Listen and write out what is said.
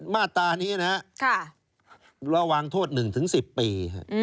มาตรานี้นะระวังโทษ๑๑๐ปี